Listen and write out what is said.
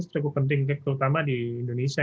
cukup penting terutama di indonesia